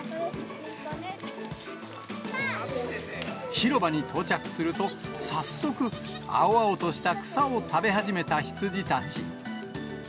広場に到着すると、早速、青々とした草を食べ始めた羊たち。